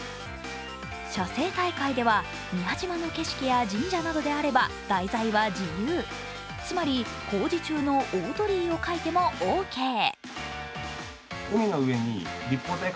写生大会では宮島の神社や景色であれば題材は自由、つまり工事中の大鳥居を描いてもオーケー。